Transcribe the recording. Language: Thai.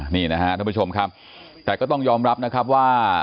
นี่นะครับท่านผู้ชมครับแต่ก็ต้องยอมรับนะครับว่า